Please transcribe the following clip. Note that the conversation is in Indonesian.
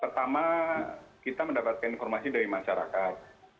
pertama kita mendapatkan informasi dari masyarakat